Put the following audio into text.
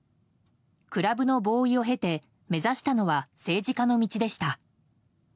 クラブのボーイを経て目指したのは、政治家の道でした。